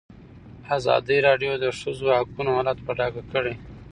ازادي راډیو د د ښځو حقونه حالت په ډاګه کړی.